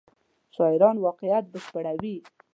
شاعران واقعیت بشپړوي.